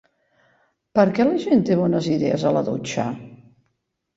Per què la gent té bones idees a la dutxa?